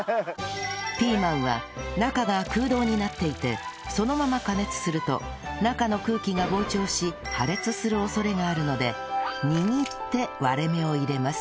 ピーマンは中が空洞になっていてそのまま加熱すると中の空気が膨張し破裂する恐れがあるので握って割れ目を入れます